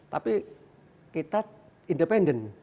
tapi kita independen